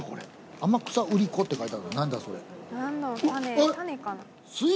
「甘草瓜子」って書いてある何だそれ。